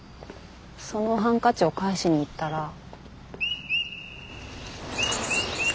そのハンカチを返しに行ったら。